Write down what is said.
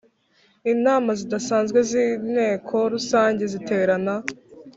Inama zidasanzwe z inteko rusange ziterana